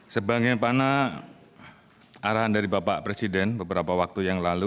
sebagaimana arahan dari bapak presiden beberapa waktu yang lalu